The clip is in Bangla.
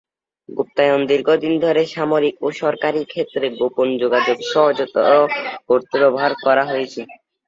গুপ্তায়ন দীর্ঘদিন ধরে সামরিক ও সরকারি ক্ষেত্রে গোপন যোগাযোগ সহজতর করতে ব্যবহার করা হয়েছে।